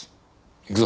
行くぞ。